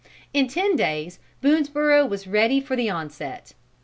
In ten days, Boonesborough was ready for the onset.